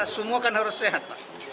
semua kan harus sehat